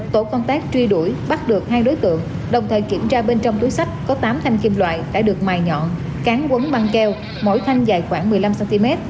tổ công tác truy đuổi bắt được hai đối tượng đồng thời kiểm tra bên trong túi sách có tám thanh kim loại đã được mài nhọn cán quấn băng keo mỗi thanh dài khoảng một mươi năm cm